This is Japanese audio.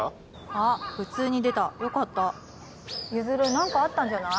あっ普通に出たよかった譲何かあったんじゃない？